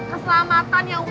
keselamatan ya umurmu